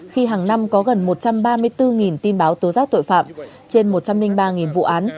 khi hàng năm có gần một trăm ba mươi bốn tin báo tố giác tội phạm trên một trăm linh ba vụ án